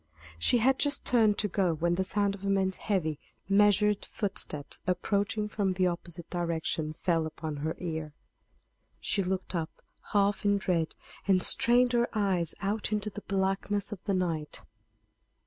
She had just turned to go when the sound of a man's heavy, measured footsteps, approaching from the opposite direction, fell upon her ear. She looked up half in dread, and strained her eyes out into the blackness of the night.